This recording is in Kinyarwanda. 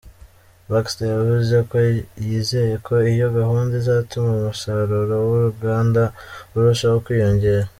Baxter yavuze ko yizeye ko iyo gahunda izatuma umusasuro w’uruganda urushaho kwiyongera.